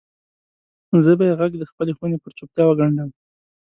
زه به یې ږغ دخپلې خونې پر چوپتیا وګنډم